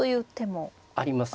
あります。